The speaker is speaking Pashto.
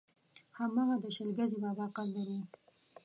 هماغه د شل ګزي بابا قبر و.